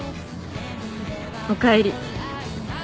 おかえり。